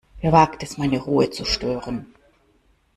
Wer wagt es, meine Ruhe zu stören?